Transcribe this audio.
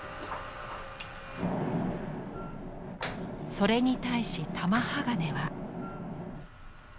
それに対し玉鋼は。